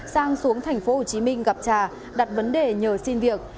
sang xuống tp hcm gặp trà đặt vấn đề nhờ xin việc